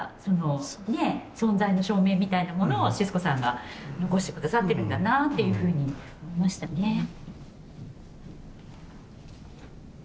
そのね存在の証明みたいなものをシスコさんが残して下さってるんだなっていうふうに思いましたね。